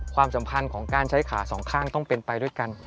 ความสัมพันธ์ของการใช้ขาสองข้างต้องเป็นไปด้วยกัน